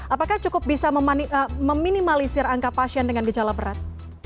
apakah cukup bisa meminimalisir angka pasien dengan gejala berat